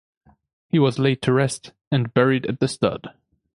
He was laid to rest and buried at the stud.